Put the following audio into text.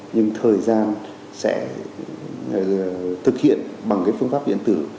nhưng thời gian sẽ thực hiện bằng cái phương pháp điện tử